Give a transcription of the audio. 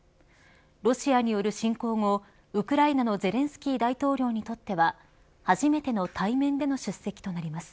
ロシアによる侵攻後ウクライナのゼレンスキー大統領にとっては初めての対面での出席となります。